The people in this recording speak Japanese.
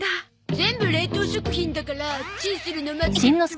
全部冷凍食品だからチンするの待って。